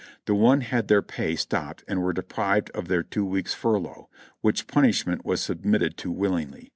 The one had their pay stop ped and were deprived of their two weeks' furlough, which pun ishment was submitted to willingly.